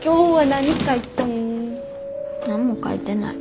何も書いてない。